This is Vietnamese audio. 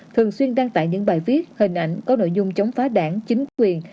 thường xuyên đăng tải những bài viết hình ảnh có nội dung chống phá đảng chính quyền